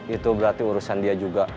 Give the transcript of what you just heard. itu berarti urusan dia juga